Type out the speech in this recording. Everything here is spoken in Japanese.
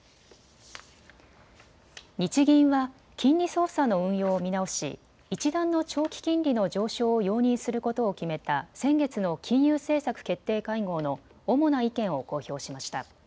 日銀は金利操作の運用を見直し一段の長期金利の上昇を容認することを決めた先月の金融政策決定会合の主な意見を公表しました。